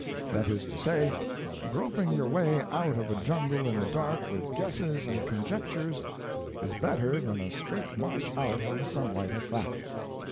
That is to say, groping your way out of a jungle in the dark with guesses and conjectures is better than a straight march out in the sun light of fact.